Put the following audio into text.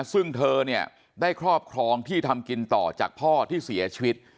ซึ่งเธอเนี่ยได้ครอบครองที่ทำกินต่อจากพ่อที่เสียชีวิต